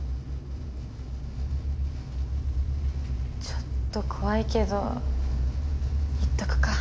ちょっと怖いけど行っとくか。